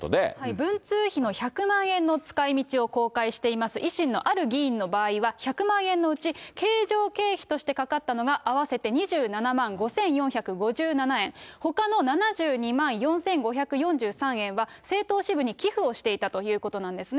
文通費の１００万円の使いみちを公開しています、維新のある議員の場合は、１００万円のうち、経常経費としてかかったのが、合わせて２７万５４５７円、ほかの７２万４５４３円は政党支部に寄付をしていたということなんですね。